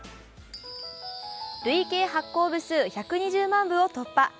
累計発行部数１２０万部を突破。